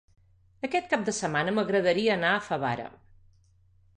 Aquest cap de setmana m'agradaria anar a Favara.